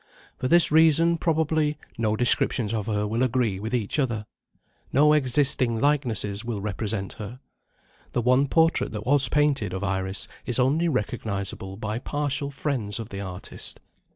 For this reason, probably, no descriptions of her will agree with each other. No existing likenesses will represent her. The one portrait that was painted of Iris is only recognisable by partial friends of the artist.